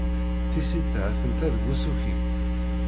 Tisita atenta deg usuki.